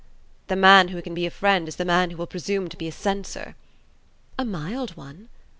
"The man who can be a friend is the man who will presume to be a censor." "A mild one."